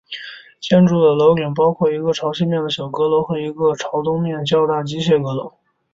建筑的屋顶包括一个朝西面的小阁楼和一个朝东面较大机械阁楼。